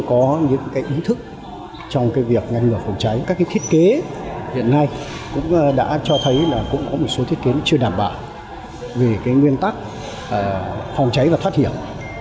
có những cái ý thức trong cái việc ngành ngừa phòng cháy các cái thiết kế hiện nay cũng đã cho thấy là cũng có một số thiết kế chưa đảm bảo về cái nguyên tắc phòng cháy và thoát hiểm